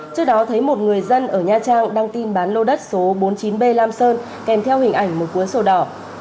trước đó thấy một người dân ở nha trang đăng tin bán lô đất số bốn mươi chín b lam sơn kèm theo hình ảnh một cuốn sổ đỏ